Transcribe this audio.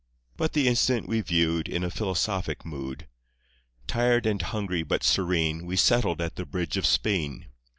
But the incident we viwed In a philosophic mood. Tired and hungry but serene We settled at the Bridge of Spean.